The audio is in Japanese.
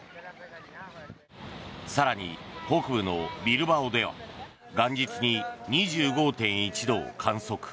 更に、北部のビルバオでは元日に２５．１度を観測。